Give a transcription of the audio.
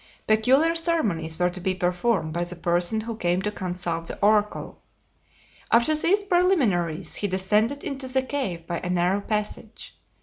Peculiar ceremonies were to be performed by the person who came to consult the oracle. After these preliminaries, he descended into the cave by a narrow passage.